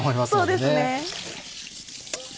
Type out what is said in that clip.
そうですね。